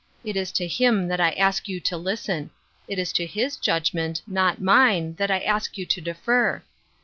It is to him that I ask you to listen ; it is to his judgment, not mine, that I ask you to defer.